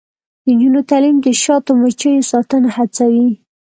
د نجونو تعلیم د شاتو مچیو ساتنه هڅوي.